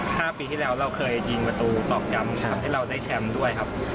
ห้าปีที่แล้วเราเคยยิงประตูตอกย้ำแชมป์ให้เราได้แชมป์ด้วยครับ